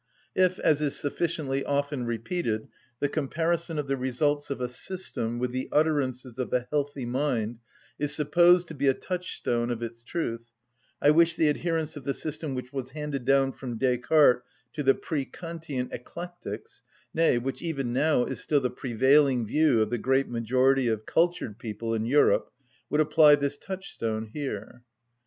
If, as is sufficiently often repeated, the comparison of the results of a system with the utterances of the healthy mind is supposed to be a touchstone of its truth, I wish the adherents of the system which was handed down from Descartes to the pre‐Kantian eclectics, nay, which even now is still the prevailing view of the great majority of cultured people in Europe, would apply this touchstone here.